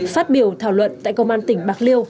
phát biểu thảo luận tại công an tỉnh bạc liêu